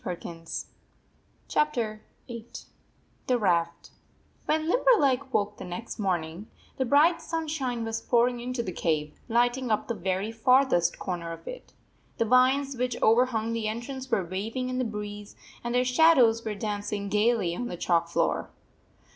VIII THE RAFT VIII ; THE RAFT WHEN Limberleg woke the next morning, the bright sunshine was pouring into the cave, lighting up the very farthest corner of it. The vines which overhung the entrance were waving in the breeze, and their shadows were dancing gayly on the chalk floor.